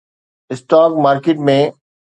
stock market ۾